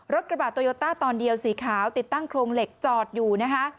กระบาดโตโยต้าตอนเดียวสีขาวติดตั้งโครงเหล็กจอดอยู่นะคะ